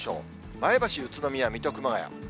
前橋、宇都宮、水戸、熊谷。